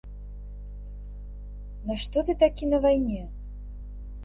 На што ты такі на вайне?